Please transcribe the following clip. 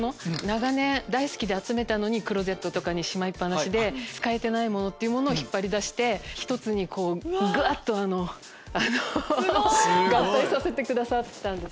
長年大好きで集めたのにクローゼットにしまいっ放しで使えてないっていうものを引っ張り出して一つにがっと合体させてくださったんです。